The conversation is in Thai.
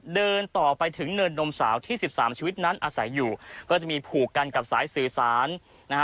เดินต่อไปถึงเนินนมสาวที่สิบสามชีวิตนั้นอาศัยอยู่ก็จะมีผูกกันกับสายสื่อสารนะฮะ